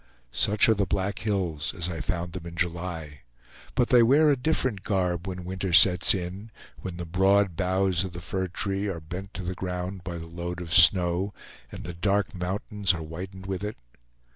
Such are the Black Hills, as I found them in July; but they wear a different garb when winter sets in, when the broad boughs of the fir tree are bent to the ground by the load of snow, and the dark mountains are whitened with it.